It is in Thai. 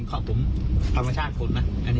ของตัดล้าง